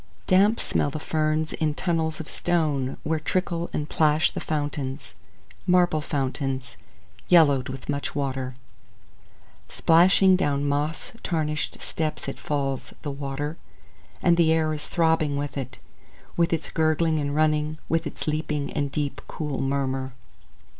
Damp smell the ferns in tunnels of stone, Where trickle and plash the fountains, Marble fountains, yellowed with much water. Splashing down moss tarnished steps It falls, the water; And the air is throbbing with it. With its gurgling and running. With its leaping, and deep, cool murmur.